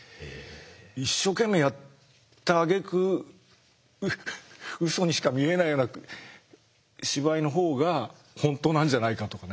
一生懸命やったあげくうそにしか見えないような芝居のほうが本当なんじゃないかとかね。